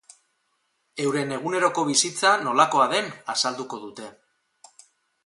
Euren eguneroko bizitza nolakoa den azalduko dute.